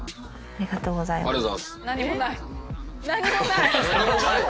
ありがとうございます。